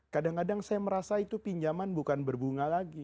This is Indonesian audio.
kadang kadang saya merasa itu pinjaman bukan berbunga lagi